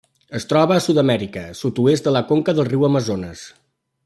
Es troba a Sud-amèrica: sud-oest de la conca del riu Amazones.